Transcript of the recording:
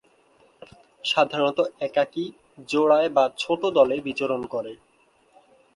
সাধারণত একাকী, জোড়ায় বা ছোট দলে বিচরণ করে।